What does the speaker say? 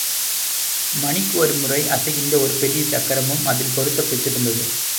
மணிக்கு ஒரு முறை அசைகின்ற ஒரு பெரிய சக்கரமும் அதில் பொருத்தப் பெற்றிருந்தது.